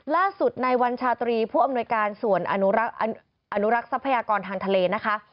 ล่าสุดในวันชาตรีผู้อำนวยการส่วนอนุรักษ์ทรัพยากรทางทะเลนะคะ